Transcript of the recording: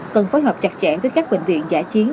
cần phối hợp chặt chẽ với các bệnh viện giả chiến